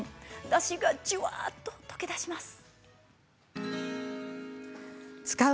だしがじゅわっと溶け出します。